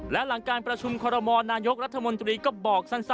และหลังการประชุมคอรมอลนายกรัฐมนตรีก็บอกสั้น